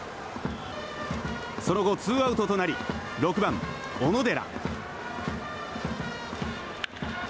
その後、ツーアウトとなり６番、小野寺。